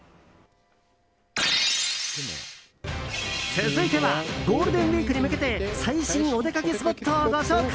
続いてはゴールデンウィークに向けて最新お出かけスポットをご紹介！